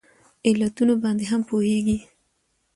علتونو باندې هم پوهیږي